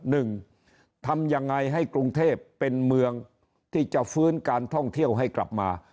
หนึ่งทำยังไงให้กรุงเทพเป็นเมืองที่จะฟื้นการท่องเที่ยวให้กลับมา